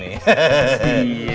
ya puaslah luir nggur